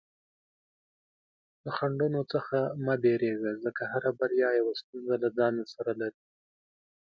له خنډونو څخه مه ویریږه، ځکه هره بریا یوه ستونزه له ځان سره لري.